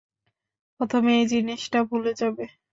প্রথমে এই জিনিসটাই ভুলে যাবে।